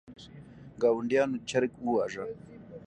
ګاونډیانو چرګ وواژه.